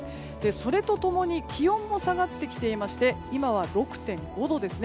それと共に気温も下がってきていまして今は６．５度ですね。